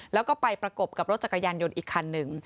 แล้วก็ไปประกบกับรถจักรยานยนต์อีกคันหนึ่ง